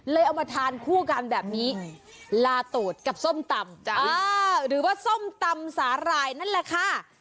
เอามาทานคู่กันแบบนี้ลาโตดกับส้มตำหรือว่าส้มตำสาหร่ายนั่นแหละค่ะ